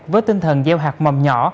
với tinh thần gieo hạt mầm nhỏ